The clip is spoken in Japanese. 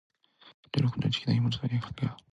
十六の、内気な妹と二人暮しだ。